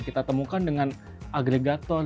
kita temukan dengan agregaton